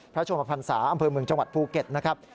ชมพันศาอำเภอเมืองจังหวัดภูเก็ตนะครับ